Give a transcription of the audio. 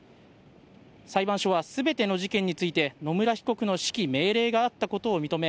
裁判所はすべての事件について、野村被告に指揮命令があったことを認め、